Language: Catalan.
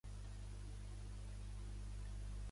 Peant també fou rei de Melibea, a Tessàlia.